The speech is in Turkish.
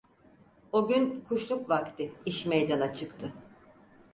O gün kuşluk vakti iş meydana çıktı.